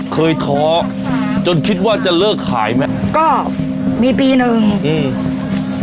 ท้ออ่าจนคิดว่าจะเลิกขายไหมก็มีปีหนึ่งอืม